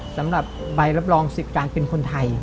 สำหรับใบรับรองสิทธิ์การเป็นคนไทย